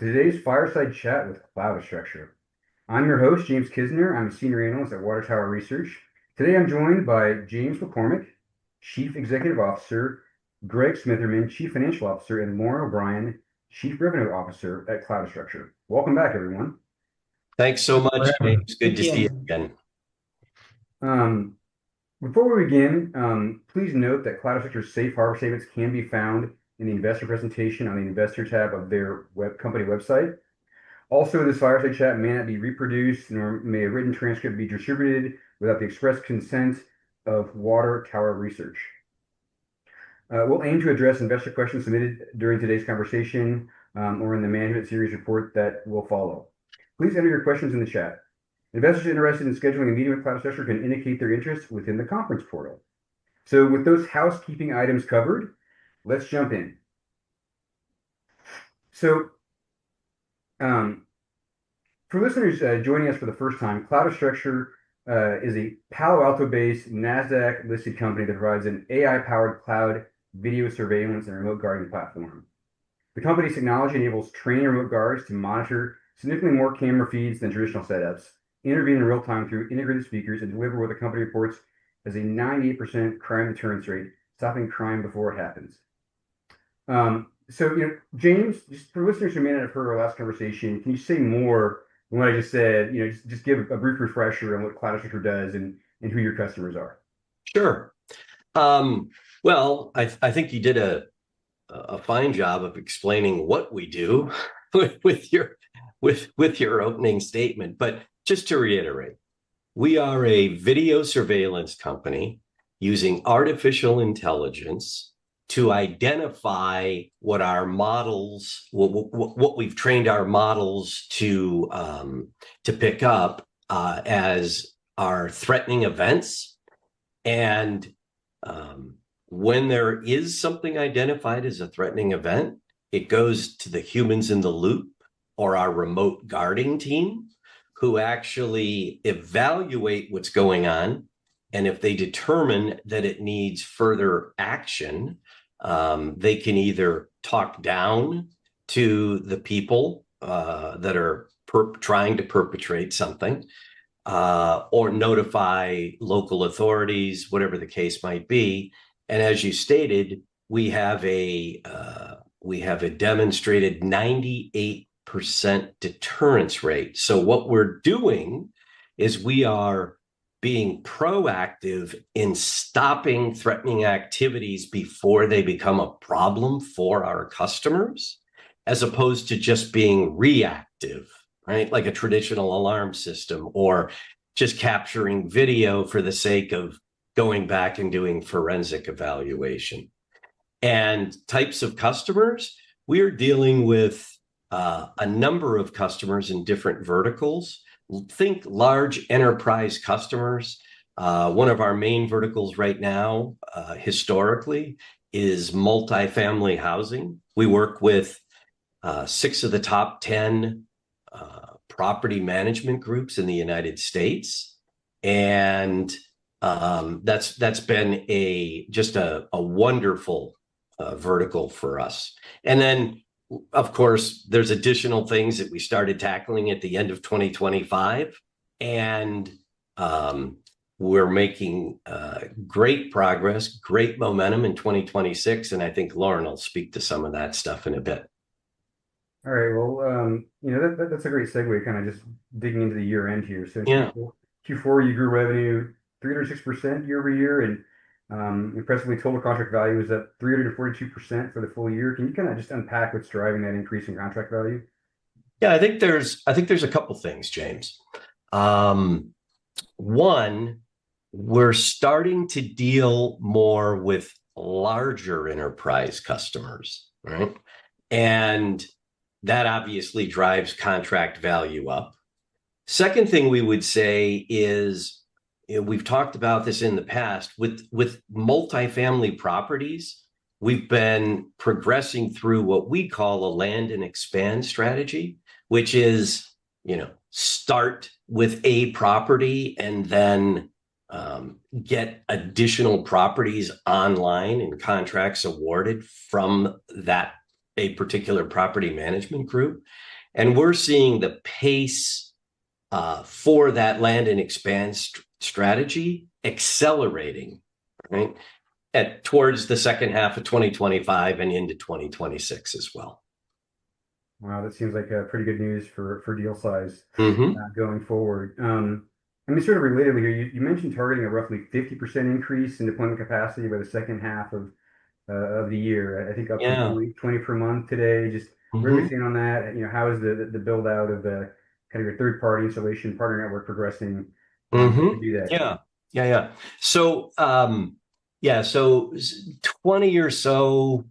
Welcome to today's fireside chat with Cloudastructure. I'm your host, James Kisner. I'm a Senior Analyst at Water Tower Research. Today, I'm joined by James McCormick, Chief Executive Officer, Greg Smitherman, Chief Financial Officer, and Lauren O'Brien, Chief Revenue Officer at Cloudastructure. Welcome back, everyone. Thanks so much, James. It's good to see you again. Before we begin, please note that Cloudastructure's safe harbor statements can be found in the investor presentation on the investor tab of their company website. Also, this fireside chat may not be reproduced, nor may a written transcript be distributed without the express consent of Water Tower Research. We'll aim to address investor questions submitted during today's conversation, or in the management series report that will follow. Please enter your questions in the chat. Investors interested in scheduling a meeting with Cloudastructure can indicate their interest within the conference portal. With those housekeeping items covered, let's jump in. For listeners joining us for the first time, Cloudastructure is a Palo Alto-based Nasdaq-listed company that provides an AI-powered cloud video surveillance and remote guarding platform. The company's technology enables trained remote guards to monitor significantly more camera feeds than traditional setups, intervene in real time through integrated speakers, and deliver what the company reports as a 98% crime deterrence rate, stopping crime before it happens. James, just for listeners who may not have heard our last conversation, can you say more on what I just said? Just give a brief refresher on what Cloudastructure does and who your customers are. Sure. Well, I think you did a fine job of explaining what we do with your opening statement. Just to reiterate, we are a video surveillance company using artificial intelligence to identify what we've trained our models to pick up as our threatening events. When there is something identified as a threatening event, it goes to the humans in the loop or our remote guarding team who actually evaluate what's going on, and if they determine that it needs further action, they can either talk down to the people that are trying to perpetrate something, or notify local authorities, whatever the case might be. As you stated, we have a demonstrated 98% deterrence rate. What we're doing is we are being proactive in stopping threatening activities before they become a problem for our customers, as opposed to just being reactive, right? Like a traditional alarm system or just capturing video for the sake of going back and doing forensic evaluation. Types of customers, we're dealing with a number of customers in different verticals. Think large enterprise customers. One of our main verticals right now, historically, is multifamily housing. We work with six of the top 10 property management groups in the United States. That's been just a wonderful vertical for us. Then, of course, there's additional things that we started tackling at the end of 2025, and we're making great progress, great momentum in 2026, and I think Lauren will speak to some of that stuff in a bit. All right. Well, that's a great segue, kind of just digging into the year-end here. Yeah. Q4, you grew revenue 306% year-over-year, and impressively, total contract value is up 342% for the full year. Can you kind of just unpack what's driving that increase in contract value? Yeah, I think there's a couple things, James. One, we're starting to deal more with larger enterprise customers, right? That obviously drives contract value up. Second thing we would say is, we've talked about this in the past, with multifamily properties, we've been progressing through what we call a land and expand strategy, which is start with a property and then get additional properties online and contracts awarded from that, a particular property management group. We're seeing the pace for that land and expand strategy accelerating, right, towards the second half of 2025 and into 2026 as well. Wow, that seems like pretty good news for deal size. Mm-hmm. Going forward. Sort of related here, you mentioned targeting a roughly 50% increase in deployment capacity by the second half of the year. I think up- Yeah. -from $20/month today. Mm-hmm. Where are we standing on that? How is the build-out of the kind of your third-party installation partner network progressing- Mm-hmm, -to do that? Yeah. $20 or so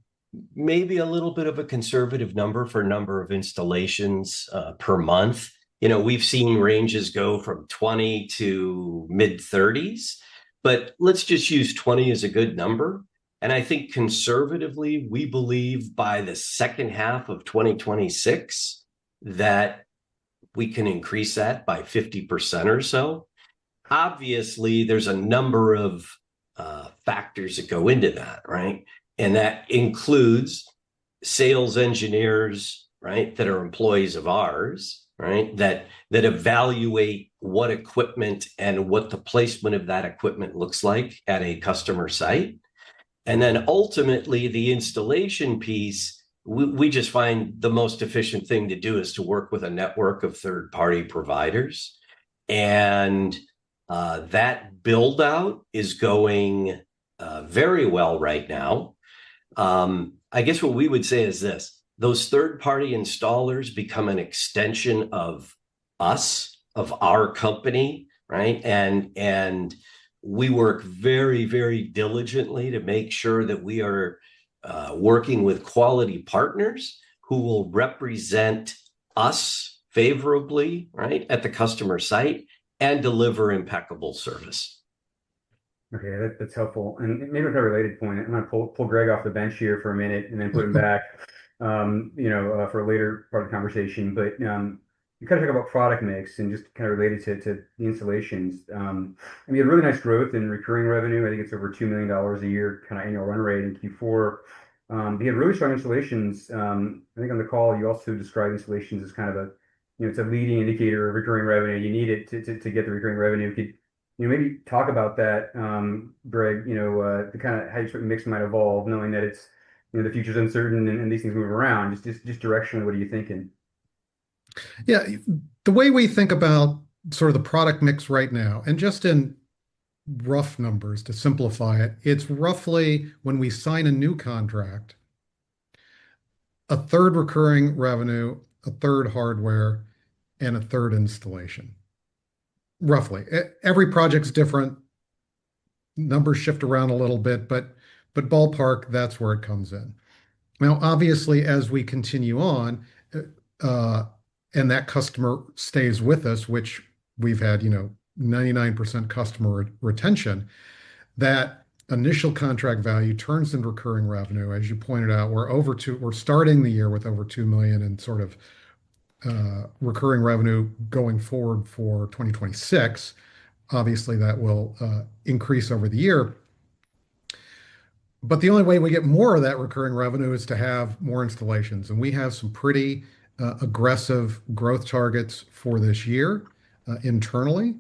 may be a little bit of a conservative number for number of installations per month. We've seen ranges go from $20 to mid-$30s, but let's just use $20 as a good number. I think conservatively, we believe by the second half of 2026 that we can increase that by 50% or so. Obviously, there's a number of factors that go into that, right? That includes sales engineers that are employees of ours, that evaluate what equipment and what the placement of that equipment looks like at a customer site. Then ultimately, the installation piece, we just find the most efficient thing to do is to work with a network of third-party providers. That build-out is going very well right now. I guess what we would say is this, those third-party installers become an extension of us, of our company, right? We work very diligently to make sure that we are working with quality partners who will represent us favorably at the customer site and deliver impeccable service. Okay. That's helpful. Maybe on a related point, I'm going to pull Greg off the bench here for a minute and then put him back for a later part of the conversation. You kind of talk about product mix and just kind of related to the installations. You had really nice growth in recurring revenue. I think it's over $2 million/year, kind of annual run rate in Q4. You had really strong installations. I think on the call you also described installations as kind of a leading indicator of recurring revenue. You need it to get the recurring revenue. Can you maybe talk about that, Greg, how your sort of mix might evolve knowing that the future's uncertain and these things move around. Just directionally what are you thinking? Yeah. The way we think about sort of the product mix right now, and just in rough numbers to simplify it's roughly when we sign a new contract, 1/3 recurring revenue, 1/3 hardware, and 1/3 installation. Roughly. Every project's different. Numbers shift around a little bit, but ballpark, that's where it comes in. Now, obviously, as we continue on, and that customer stays with us, which we've had 99% customer retention, that initial contract value turns into recurring revenue. As you pointed out, we're starting the year with over $2 million in sort of recurring revenue going forward for 2026. Obviously, that will increase over the year. The only way we get more of that recurring revenue is to have more installations, and we have some pretty aggressive growth targets for this year internally.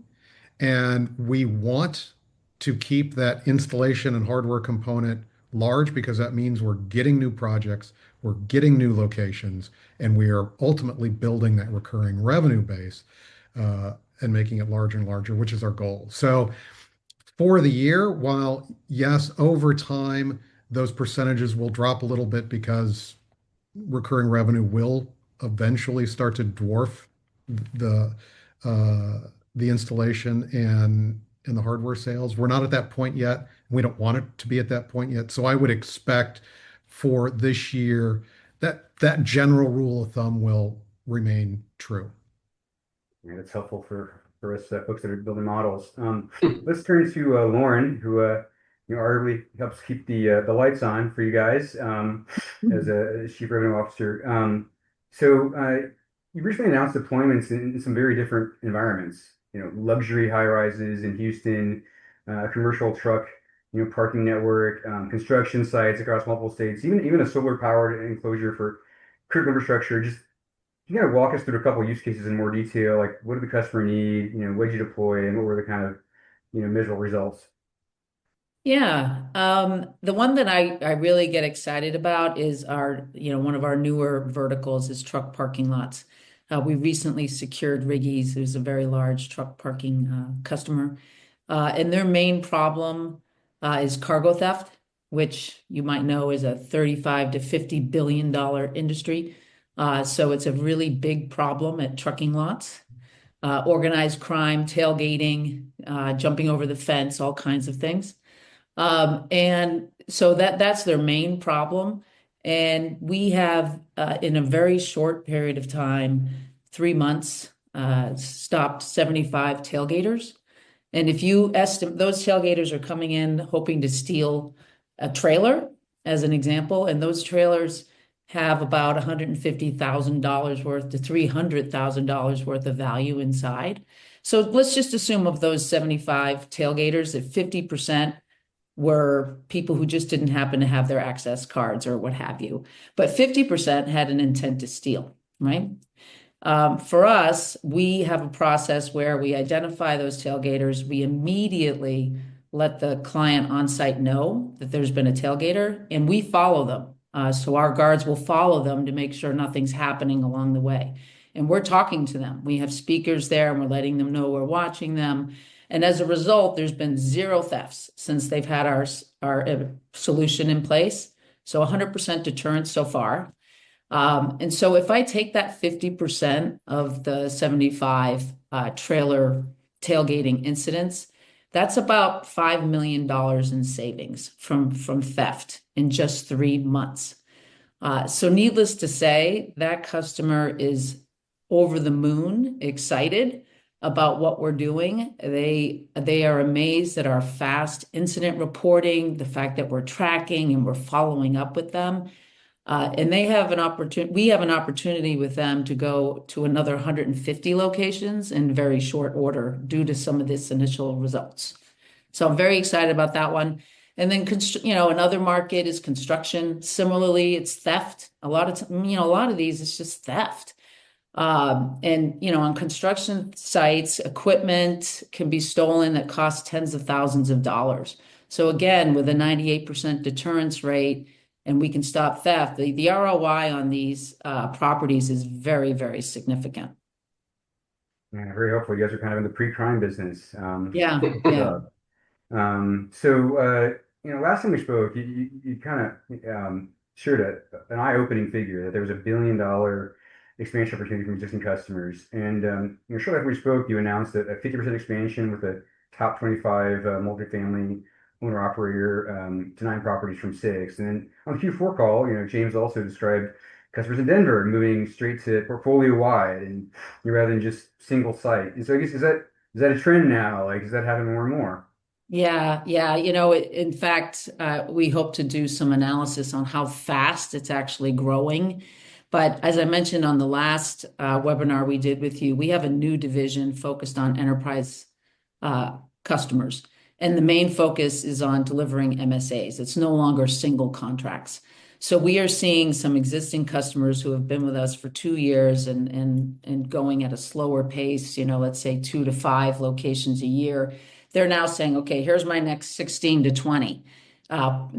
We want to keep that installation and hardware component large because that means we're getting new projects, we're getting new locations, and we are ultimately building that recurring revenue base, and making it larger and larger, which is our goal. For the year, while yes, over time, those percentages will drop a little bit because recurring revenue will eventually start to dwarf the installation and the hardware sales. We're not at that point yet, and we don't want it to be at that point yet. I would expect for this year that that general rule of thumb will remain true. Yeah. That's helpful for us folks that are building models. Let's turn to Lauren, who arguably helps keep the lights on for you guys as a Chief Revenue Officer. You recently announced deployments in some very different environments. Luxury high-rises in Houston, a commercial truck parking network, construction sites across multiple states, even a solar-powered enclosure for critical infrastructure. Just walk us through a couple use cases in more detail. Like what did the customer need, what'd you deploy, and what were the kind of measurable results? Yeah. The one that I really get excited about is one of our newer verticals, truck parking lots. We recently secured Riggy's, who's a very large truck parking customer. Their main problem is cargo theft, which you might know is a $35 billion-$50 billion industry. It's a really big problem at trucking lots. Organized crime, tailgating, jumping over the fence, all kinds of things. That's their main problem. We have, in a very short period of time, three months, stopped 75 tailgaters. Those tailgaters are coming in hoping to steal a trailer, as an example, and those trailers have about $150,000-$300,000 worth of value inside. Let's just assume of those 75 tailgaters, that 50% were people who just didn't happen to have their access cards or what have you. 50% had an intent to steal, right? For us, we have a process where we identify those tailgaters. We immediately let the client on-site know that there's been a tailgater, and we follow them. Our guards will follow them to make sure nothing's happening along the way. We're talking to them. We have speakers there, and we're letting them know we're watching them. As a result, there's been zero thefts since they've had our solution in place. 100% deterrent so far. If I take that 50% of the 75 trailer tailgating incidents, that's about $5 million in savings from theft in just three months. Needless to say, that customer is over the moon excited about what we're doing. They are amazed at our fast incident reporting, the fact that we're tracking and we're following up with them. We have an opportunity with them to go to another 150 locations in very short order due to some of this initial results. I'm very excited about that one. Another market is construction. Similarly, it's theft. A lot of these, it's just theft. On construction sites, equipment can be stolen that costs tens of thousands of dollars. Again, with a 98% deterrence rate, and we can stop theft, the ROI on these properties is very, very significant. Man, very helpful. You guys are kind of in the pre-crime business. Yeah. Last time we spoke, you kind of shared an eye-opening figure, that there was a billion-dollar expansion opportunity from existing customers. I'm sure after we spoke, you announced a 50% expansion with a top 25 multifamily owner/operator to nine properties from six. On Q4 call, James also described customers in Denver are moving straight to portfolio-wide rather than just single site. I guess, is that a trend now? Is that happening more and more? Yeah. In fact, we hope to do some analysis on how fast it's actually growing. As I mentioned on the last webinar we did with you, we have a new division focused on enterprise customers, and the main focus is on delivering MSAs. It's no longer single contracts. We are seeing some existing customers who have been with us for two years and going at a slower pace, let's say two to five locations a year. They're now saying, "Okay, here's my next 16-20." Now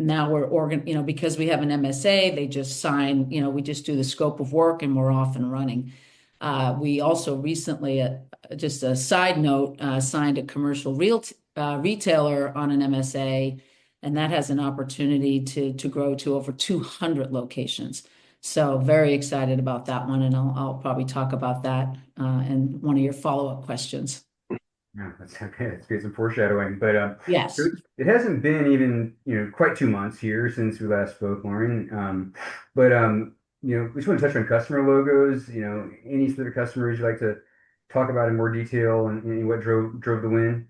because we have an MSA, we just do the scope of work and we're off and running. We also recently, just a side note, signed a commercial retailer on an MSA, and that has an opportunity to grow to over 200 locations. Very excited about that one, and I'll probably talk about that in one of your follow-up questions. Yeah. That's okay. Let's get some foreshadowing. Yes. It hasn't been even quite two months here since we last spoke, Lauren. We just want to touch on customer logos. Any sort of customers you'd like to talk about in more detail and what drove the win?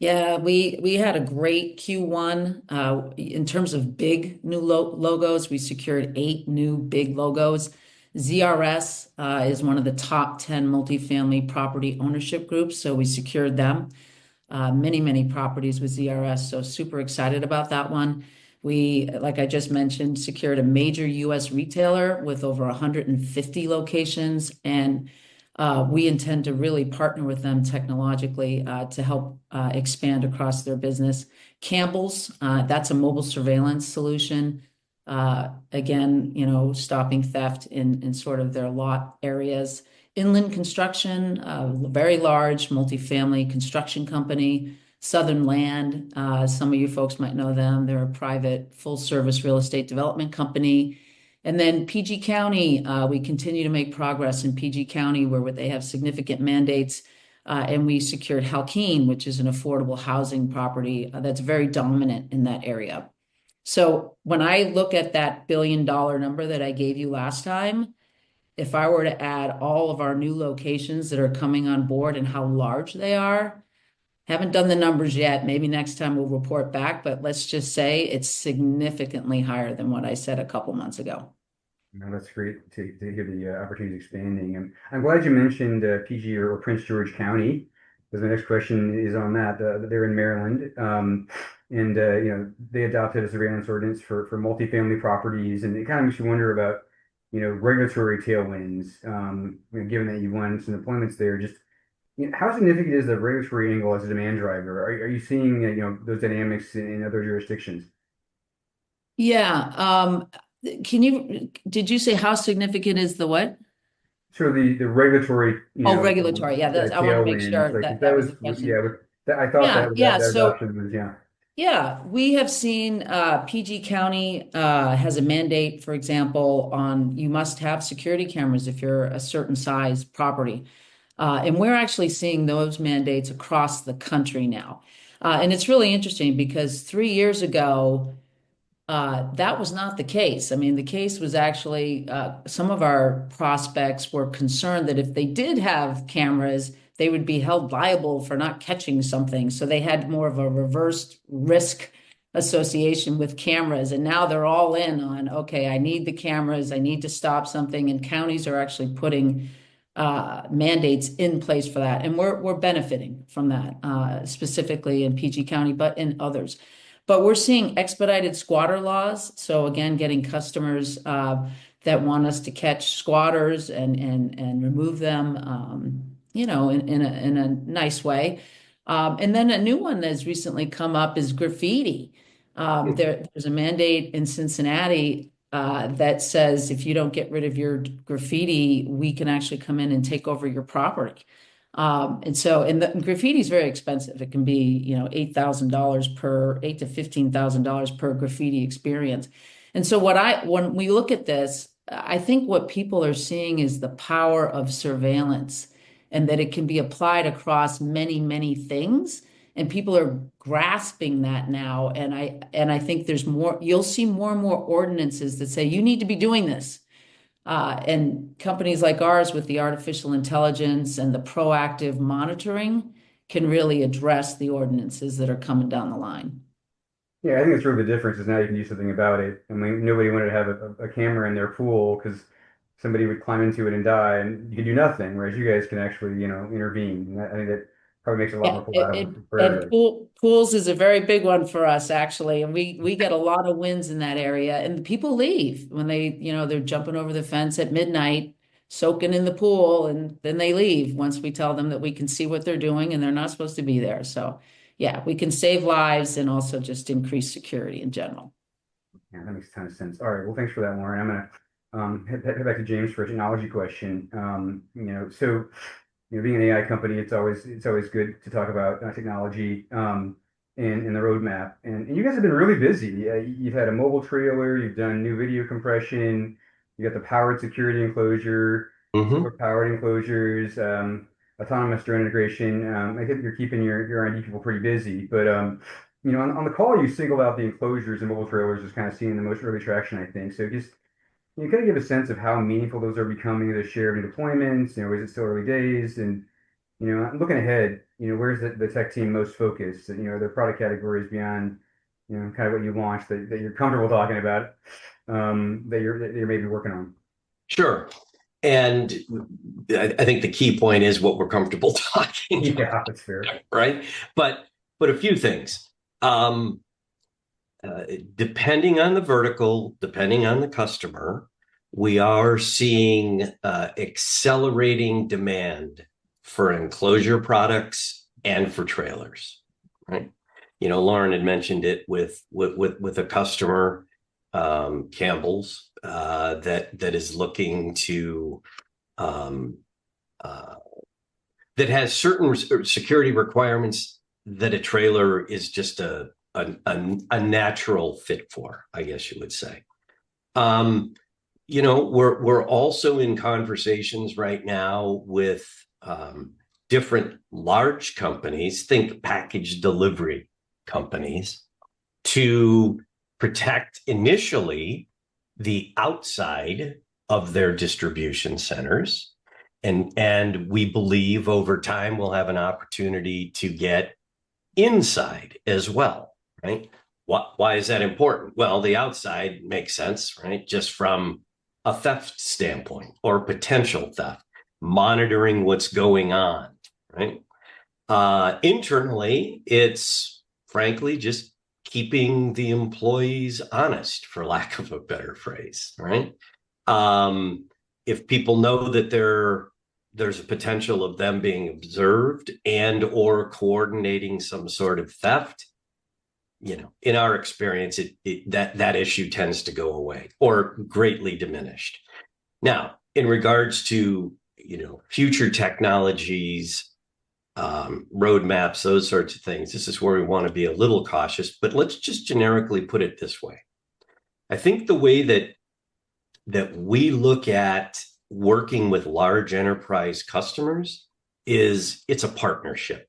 Yeah. We had a great Q1. In terms of big new logos, we secured eight new big logos. ZRS is one of the top 10 multifamily property ownership groups, so we secured them. Many properties with ZRS, so super excited about that one. We, like I just mentioned, secured a major U.S. retailer with over 150 locations, and we intend to really partner with them technologically, to help expand across their business. Campbell's, that's a mobile surveillance solution. Again, stopping theft in sort of their lot areas. Inland Construction, very large multifamily construction company. Southern Land, some of you folks might know them. They're a private, full service real estate development company. P.G. County, we continue to make progress in P.G. County where they have significant mandates. We secured HallKeen, which is an affordable housing property that's very dominant in that area. When I look at that billion-dollar number that I gave you last time, if I were to add all of our new locations that are coming on board and how large they are, I haven't done the numbers yet. Maybe next time we'll report back. Let's just say it's significantly higher than what I said a couple of months ago. No, that's great to hear the opportunity's expanding. I'm glad you mentioned P.G. or Prince George's County, because the next question is on that. They're in Maryland, and they adopted a surveillance ordinance for multifamily properties, and it kind of makes you wonder about regulatory tailwinds, given that you won some appointments there. Just how significant is the regulatory angle as a demand driver? Are you seeing those dynamics in other jurisdictions? Yeah. Did you say how significant is the what? Sure. The regulatory- Oh, regulatory. Yeah. -tailwind. I want to make sure I got the question. I thought that was- Yeah. Yeah. Yeah. We have seen P.G. County has a mandate, for example, on you must have security cameras if you're a certain size property. We're actually seeing those mandates across the country now. It's really interesting because three years ago, that was not the case. The case was actually some of our prospects were concerned that if they did have cameras, they would be held liable for not catching something. They had more of a reversed risk association with cameras, and now they're all in on, "Okay, I need the cameras. I need to stop something." Counties are actually putting mandates in place for that, and we're benefiting from that, specifically in P.G. County, but in others. We're seeing expedited squatter laws, so again, getting customers that want us to catch squatters and remove them in a nice way. A new one that has recently come up is graffiti. There's a mandate in Cincinnati that says if you don't get rid of your graffiti, we can actually come in and take over your property. Graffiti is very expensive. It can be $8,000-$15,000/graffiti experience. When we look at this, I think what people are seeing is the power of surveillance. That it can be applied across many, many things, and people are grasping that now. I think you'll see more and more ordinances that say, "You need to be doing this." Companies like ours with the artificial intelligence and the proactive monitoring can really address the ordinances that are coming down the line. Yeah, I think it's sort of the difference is now you can do something about it. Nobody wanted to have a camera in their pool because somebody would climb into it and die, and you could do nothing, whereas you guys can actually intervene. I think that probably makes it a lot more palatable for- Pools is a very big one for us, actually. We get a lot of wins in that area, and the people leave. They're jumping over the fence at midnight, soaking in the pool, and then they leave once we tell them that we can see what they're doing, and they're not supposed to be there. Yeah, we can save lives and also just increase security in general. Yeah, that makes a ton of sense. All right. Well, thanks for that, Lauren. I'm going to head back to James for a technology question. Being an AI company, it's always good to talk about technology and the roadmap. You guys have been really busy. You've had a mobile trailer. You've done new video compression. You got the powered security enclosure- Mm-hmm. Powered enclosures, autonomous drone integration. I think you're keeping your R&D people pretty busy. On the call you singled out the enclosures and mobile trailers as kind of seeing the most early traction, I think. Just, can you kind of give a sense of how meaningful those are becoming of the share of deployments? Is it still early days? Looking ahead, where is the tech team most focused? Are there product categories beyond, kind of what you launched that you're comfortable talking about, that you're maybe working on? Sure. I think the key point is what we're comfortable talking about. Yeah, that's fair. Right? A few things. Depending on the vertical, depending on the customer, we are seeing accelerating demand for enclosure products and for trailers. Right? Lauren had mentioned it with a customer, Campbell's, that has certain security requirements that a trailer is just a natural fit for, I guess you would say. We're also in conversations right now with different large companies, think package delivery companies, to protect initially the outside of their distribution centers. We believe over time we'll have an opportunity to get inside as well. Right? Why is that important? Well, the outside makes sense, right? Just from a theft standpoint or potential theft, monitoring what's going on, right? Internally, it's frankly just keeping the employees honest, for lack of a better phrase, right? If people know that there's a potential of them being observed and/or coordinating some sort of theft, in our experience, that issue tends to go away or greatly diminished. Now, in regards to future technologies, roadmaps, those sorts of things, this is where we want to be a little cautious, but let's just generically put it this way. I think the way that we look at working with large enterprise customers is it's a partnership,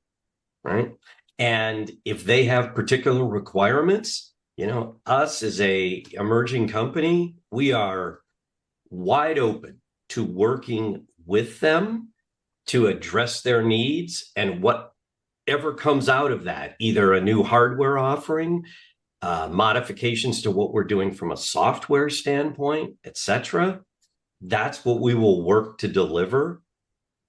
right? If they have particular requirements, us as a emerging company, we are wide open to working with them to address their needs and whatever comes out of that. Either a new hardware offering, modifications to what we're doing from a software standpoint, et cetera, that's what we will work to deliver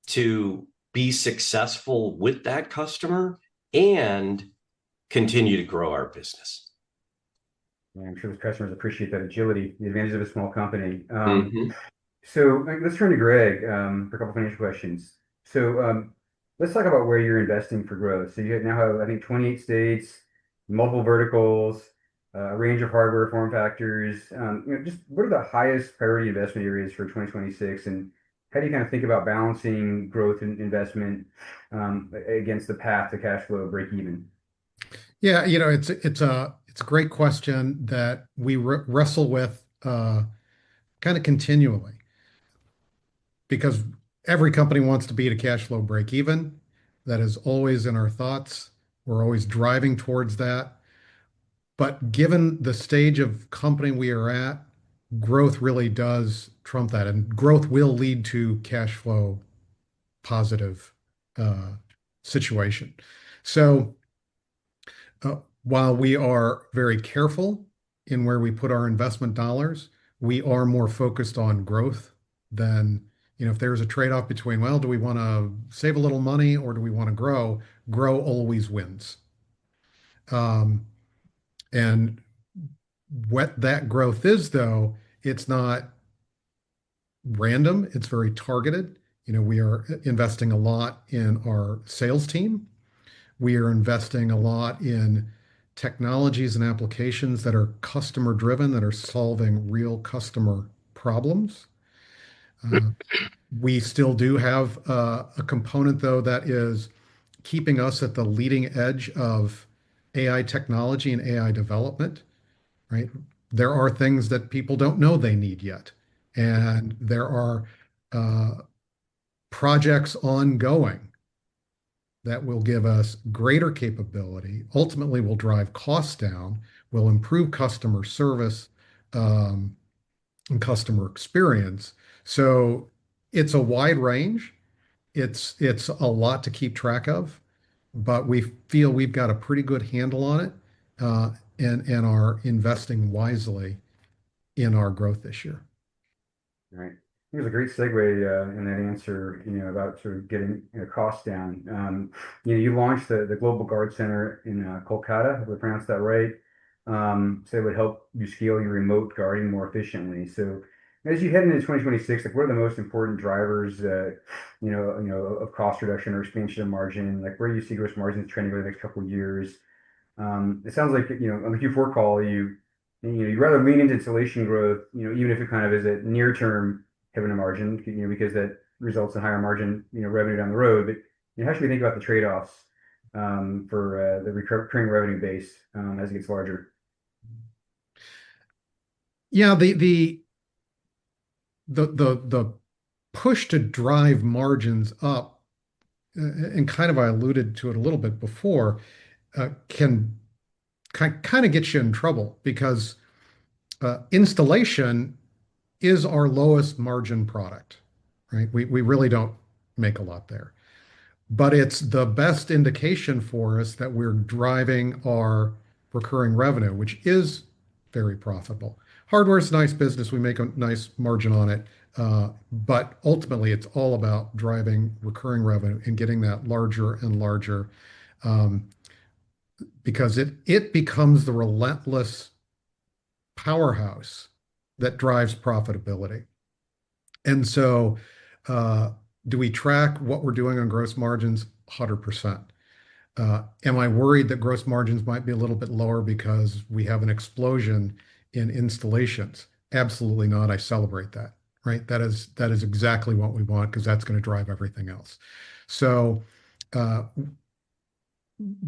to be successful with that customer and continue to grow our business. I'm sure those customers appreciate that agility, the advantage of a small company. Mm-hmm. Let's turn to Greg for a couple financial questions. Let's talk about where you're investing for growth. You now have, I think, 28 states, multiple verticals, a range of hardware form factors. Just what are the highest priority investment areas for 2026, and how do you kind of think about balancing growth and investment against the path to cash flow breakeven? Yeah. It's a great question that we wrestle with kind of continually, because every company wants to be at a cash flow breakeven. That is always in our thoughts. We're always driving towards that. Given the stage of company we are at, growth really does trump that, and growth will lead to cash flow positive situation. While we are very careful in where we put our investment dollars, we are more focused on growth than if there was a trade-off between, well, do we want to save a little money or do we want to grow? Grow always wins. What that growth is though, it's not random, it's very targeted. We are investing a lot in our sales team. We are investing a lot in technologies and applications that are customer-driven, that are solving real customer problems. We still do have a component though that is keeping us at the leading edge of AI technology and AI development. Right. There are things that people don't know they need yet, and there are projects ongoing that will give us greater capability, ultimately will drive costs down, will improve customer service, and customer experience. It's a wide range. It's a lot to keep track of, but we feel we've got a pretty good handle on it, and are investing wisely in our growth this year. Right. Here's a great segue in that answer about sort of getting costs down. You launched the Global Guard Center in Kolkata. Have I pronounced that right? To help you scale your remote guarding more efficiently. As you head into 2026, what are the most important drivers of cost reduction or expansion of margin? Where do you see gross margins trending over the next couple of years? It sounds like, on the Q4 call, you'd rather lean into installation growth, even if it kind of is a near term hit on the margin because that results in higher margin revenue down the road. How should we think about the trade-offs for the recurring revenue base as it gets larger? Yeah. The push to drive margins up, and kind of I alluded to it a little bit before, can kind of get you in trouble because installation is our lowest margin product, right? We really don't make a lot there. It's the best indication for us that we're driving our recurring revenue, which is very profitable. Hardware is a nice business. We make a nice margin on it. Ultimately, it's all about driving recurring revenue and getting that larger and larger, because it becomes the relentless powerhouse that drives profitability. Do we track what we're doing on gross margins? 100%. Am I worried that gross margins might be a little bit lower because we have an explosion in installations? Absolutely not. I celebrate that, right? That is exactly what we want because that's going to drive everything else.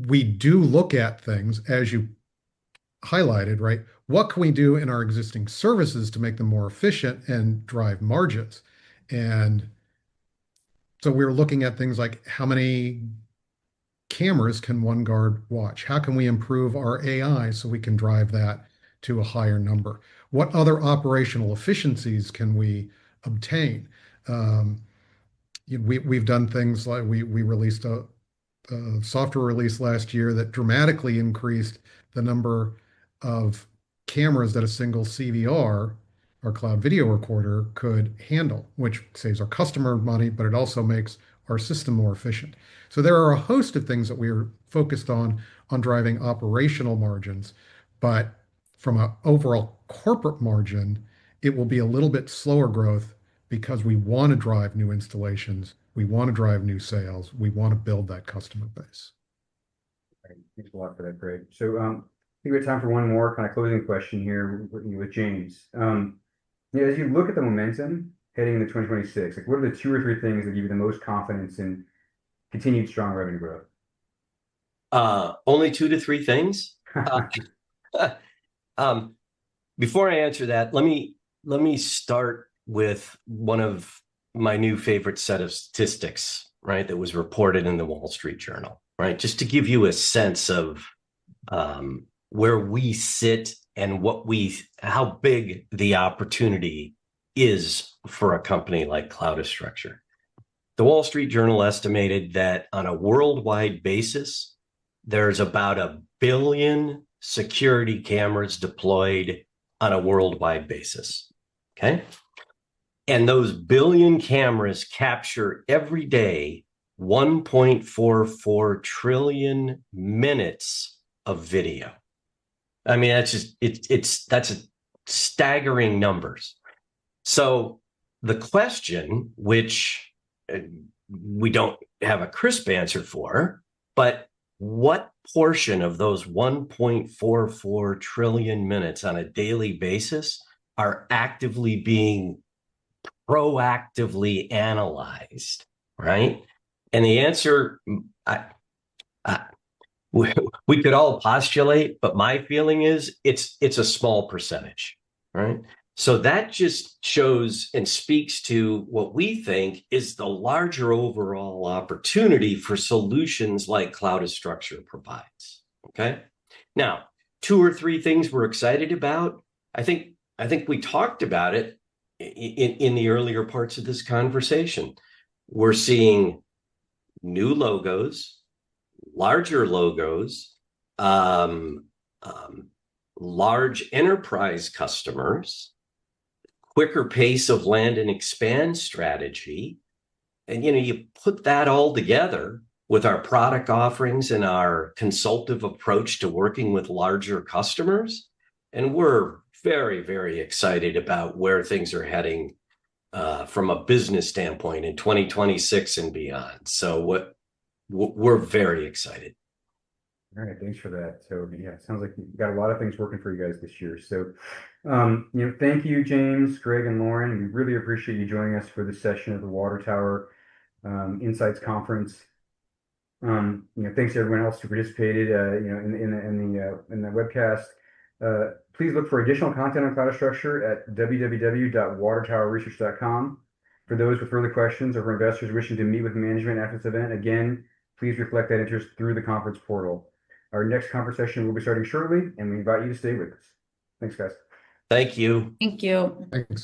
We do look at things, as you highlighted, right? What can we do in our existing services to make them more efficient and drive margins? We're looking at things like how many cameras can one guard watch? How can we improve our AI so we can drive that to a higher number? What other operational efficiencies can we obtain? We've done things like we released a software release last year that dramatically increased the number of cameras that a single CVR, or Cloud Video Recorder, could handle, which saves our customer money, but it also makes our system more efficient. There are a host of things that we are focused on driving operational margins, but from an overall corporate margin, it will be a little bit slower growth because we want to drive new installations. We want to drive new sales. We want to build that customer base. Right. Thanks a lot for that, Greg. I think we have time for one more kind of closing question here with James. As you look at the momentum heading into 2026, what are the two or three things that give you the most confidence in continued strong revenue growth? Only two to three things? Before I answer that, let me start with one of my new favorite set of statistics, right, that was reported in The Wall Street Journal. Right? Just to give you a sense of where we sit and how big the opportunity is for a company like Cloudastructure. The Wall Street Journal estimated that on a worldwide basis, there's about 1 billion security cameras deployed on a worldwide basis. Okay? Those 1 billion cameras capture, every day, 1.44 trillion minutes of video. That's staggering numbers. The question, which we don't have a crisp answer for, but what portion of those 1.44 trillion minutes on a daily basis are actively being proactively analyzed, right? The answer, we could all postulate, but my feeling is it's a small percentage, right? That just shows and speaks to what we think is the larger overall opportunity for solutions like Cloudastructure provides. Okay? Now, two or three things we're excited about. I think we talked about it in the earlier parts of this conversation. We're seeing new logos, larger logos, large enterprise customers, quicker pace of land and expand strategy. You put that all together with our product offerings and our consultive approach to working with larger customers, and we're very excited about where things are heading, from a business standpoint in 2026 and beyond. We're very excited. All right. Thanks for that. Yeah, it sounds like you've got a lot of things working for you guys this year. Thank you, James, Greg, and Lauren. We really appreciate you joining us for this session of the Water Tower Insights Conference. Thanks everyone else who participated in the webcast. Please look for additional content on Cloudastructure at www.watertowerresearch.com. For those with further questions or for investors wishing to meet with management after the event, again, please reflect that interest through the conference portal. Our next conference session will be starting shortly, and we invite you to stay with us. Thanks, guys. Thank you. Thank you. Thank you.